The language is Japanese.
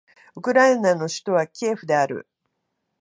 ウクライナの首都はキエフである